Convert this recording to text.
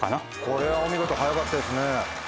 これはお見事早かったですね。